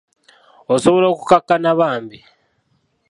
Osobola okukakkana bambi ?